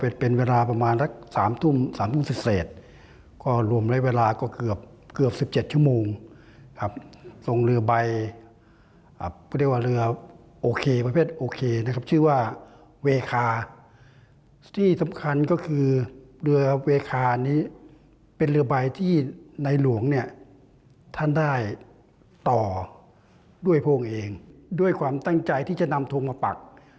ด้วยพวกเองด้วยความตั้งใจที่จะนำทรงมาปัก